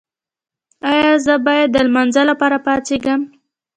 ایا زه باید د لمانځه لپاره پاڅیږم؟